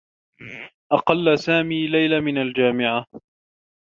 أقلّ سامي ليلى من الجامعة.